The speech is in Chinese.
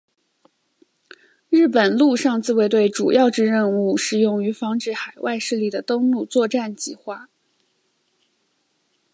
日本陆上自卫队主要之任务是用于防止海外势力的登陆作战计划。